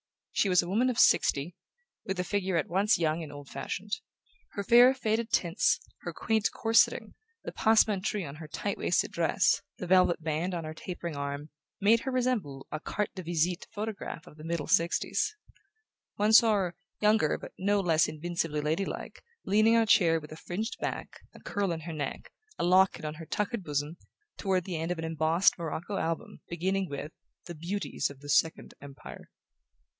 She was a woman of sixty, with a figure at once young and old fashioned. Her fair faded tints, her quaint corseting, the passementerie on her tight waisted dress, the velvet band on her tapering arm, made her resemble a "carte de visite" photograph of the middle 'sixties. One saw her, younger but no less invincibly lady like, leaning on a chair with a fringed back, a curl in her neck, a locket on her tuckered bosom, toward the end of an embossed morocco album beginning with The Beauties of the Second Empire.